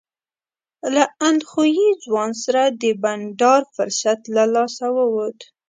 له اندخویي ځوان سره د بنډار فرصت له لاسه ووت.